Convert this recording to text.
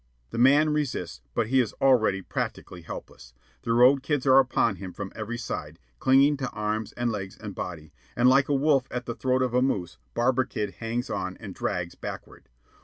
The man resists, but he is already practically helpless. The road kids are upon him from every side, clinging to arms and legs and body, and like a wolf at the throat of a moose Barber Kid hangs on and drags backward.